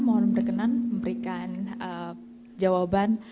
mohon berkenan memberikan jawaban